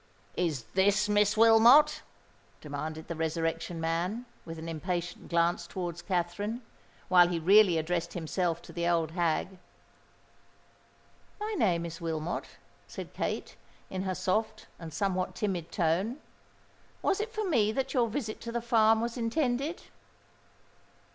"Is this Miss Wilmot?" demanded the Resurrection Man, with an impatient glance towards Katherine, while he really addressed himself to the old hag. "My name is Wilmot," said Kate, in her soft and somewhat timid tone. "Was it for me that your visit to the farm was intended?"